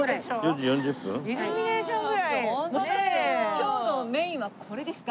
今日のメインはこれですか？